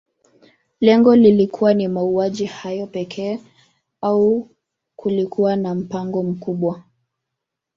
Lengo lilikuwa ni mauaji hayo pekee au kulikuwa na mpango mkubwa